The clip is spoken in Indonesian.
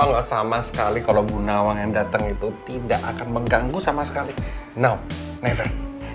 kalau sama sekali kalau gunawang yang datang itu tidak akan mengganggu sama sekali no never